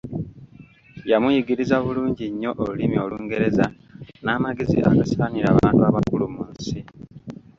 Yamuyigiriza bulungi nnyo olulimi Olungereza n'amagezi agasaanira abantu abakulu mu nsi.